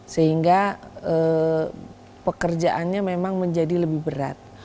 sehingga pekerjaannya memang menjadi lebih berat